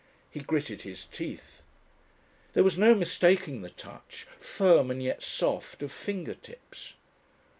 He gritted his teeth. There was no mistaking the touch, firm and yet soft, of finger tips.